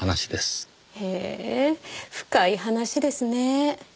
へえ深い話ですね。